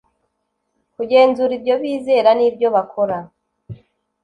kugenzura ibyo bizera n ibyo bakora